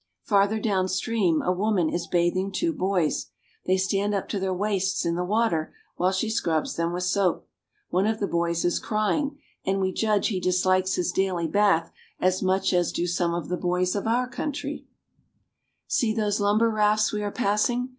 Farther down stream a woman is bath ing two boys. They stand up to their waists in the water while she scrubs them with soap. One of the boys is crying and we judge he dislikes his daily bath as much as do some of the boys of our country. FROM ULM TO VIENNA. 279 See those lumber rafts we are passing.